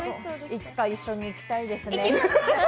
いつか一緒に行きたいですね。